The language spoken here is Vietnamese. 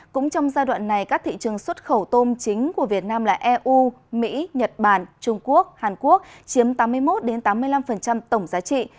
cũng trong giai đoạn này các thị trường xuất khẩu tôm chính của việt nam là eu mỹ nhật bản trung quốc hàn quốc chiếm tám mươi một tám mươi năm tổng giá trị